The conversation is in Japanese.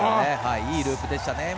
いいループでしたね。